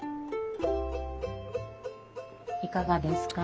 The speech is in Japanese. いかがですか？